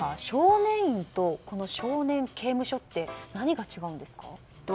少年院と少年刑務所って何が違うんですか？